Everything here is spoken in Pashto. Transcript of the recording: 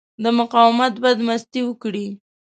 د مقاومت بدمستي وکړي.